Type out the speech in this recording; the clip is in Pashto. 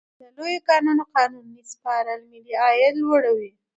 د لویو کانونو قانوني سپارل ملي عاید لوړوي.